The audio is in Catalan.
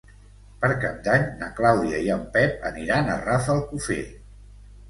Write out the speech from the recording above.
Per Cap d'Any na Clàudia i en Pep aniran a Rafelcofer.